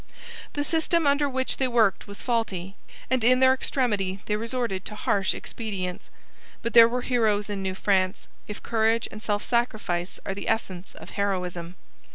The system under which they worked was faulty, and in their extremity they resorted to harsh expedients. But there were heroes in New France, if courage and self sacrifice are the essence of heroism.